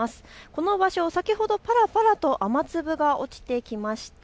この場所、先ほどぱらぱらと雨粒が落ちてきました。